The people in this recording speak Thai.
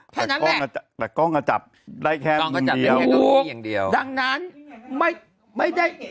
แค่นั้นแหละแต่กล้องก็จับได้แค่มือเดียวดังนั้นไม่ได้